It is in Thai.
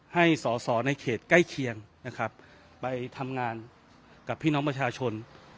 ให้สอสอในเขตใกล้เคียงนะครับไปทำงานกับพี่น้องประชาชน